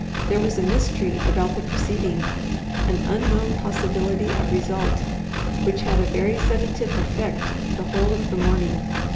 There was a mystery about the proceeding, an unknown possibility of result, which had a very sedative effect the whole of the morning.